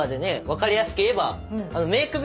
分かりやすく言えばメーク